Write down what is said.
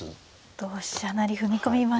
同飛車成踏み込みましたね。